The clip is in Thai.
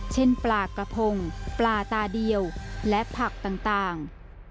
เช่นปลากระพงปลาตาเดียวและผักต่าง